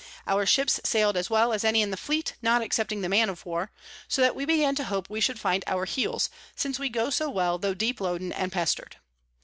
Our ships sail'd as well as any in the Fleet, not excepting the Man of War; so that we began to hope we should find our heels, since we go so well tho deep loaden and pester'd.